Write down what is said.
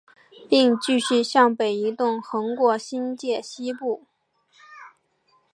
并继续向北移动横过新界西部。